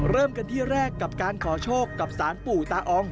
เริ่มกันที่แรกกับการขอโชคกับสารปู่ตาออง